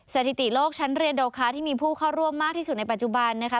สถิติโลกชั้นเรียนโดคะที่มีผู้เข้าร่วมมากที่สุดในปัจจุบันนะคะ